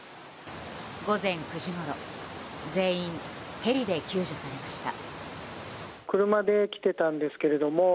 午前９時ごろ全員ヘリで救助されました。